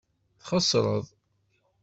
Txeṣreḍ.